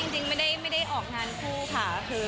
จริงไม่ได้ออกงานคู่ค่ะ